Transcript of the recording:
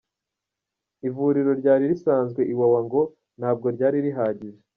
Ivuriro ryari risanzwe Iwawa ngo ntabwo ryari rihagije.